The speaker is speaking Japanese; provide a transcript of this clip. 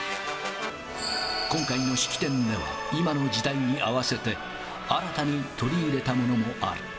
今回の式典では、今の時代に合わせて、新たに取り入れたものもある。